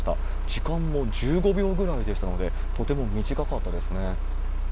時間も１５秒ぐらいでしたので、とても短かったですね。